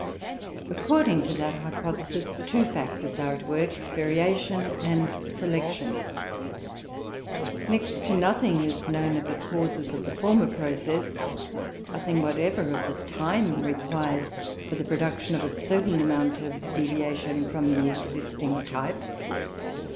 According to that hypothesis, two factors are at work, variation and selection. Next to nothing is known of the causes of the former process; nothing whatever of the time required for the production of a certain amount of deviation from the existing type.